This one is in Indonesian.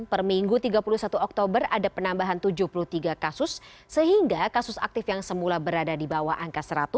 per minggu tiga puluh satu oktober ada penambahan tujuh puluh tiga kasus sehingga kasus aktif yang semula berada di bawah angka seratus